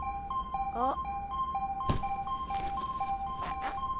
あっ。